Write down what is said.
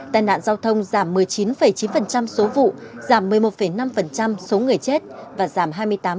tàn nạn giao thông giảm một mươi chín chín số vụ giảm một mươi một năm